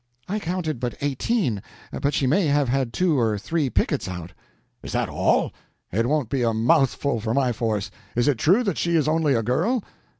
"I counted but eighteen, but she may have had two or three pickets out." "Is that all? It won't be a mouthful for my force. Is it true that she is only a girl?"